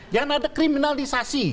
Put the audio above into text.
jangan ada kriminalisasi